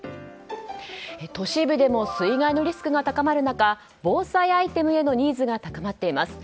都市部でも水害のリスクが高まる中防災アイテムへのニーズが高まっています。